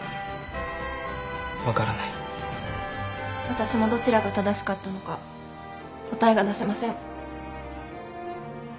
私もどちらが正しかったのか答えが出せません。